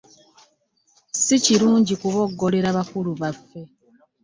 Si kirungi kuboggorera bakulu baffe.